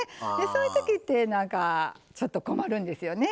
そういうときってなんかちょっと困るんですよね。